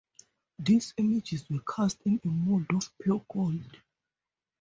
These images were cast in a mold of pure gold.